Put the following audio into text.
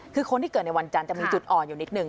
คือคนที่เกิดในวันจันทร์จะมีจุดอ่อนอยู่นิดนึ